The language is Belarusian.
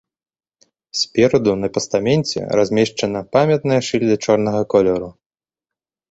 Спераду на пастаменце размешчана памятная шыльда чорнага колеру.